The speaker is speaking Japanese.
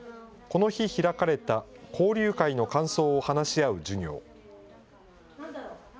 この日開かれた交流会の感想を話し合う授業。